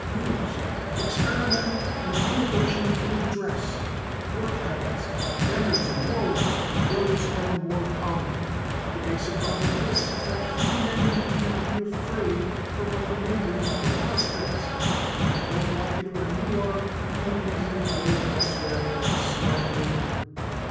News: Experiment and innovation in dress, work habits, manners and morals, grows ever more common. The basic cause of this is that few men need now be afraid of what the neighbors or the boss thinks. If you don't like it where you are, you can easily go elsewhere and start over.